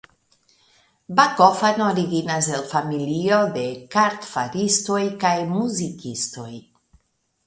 Backofen originas el familio de kartfaristoj kaj muzikistoj.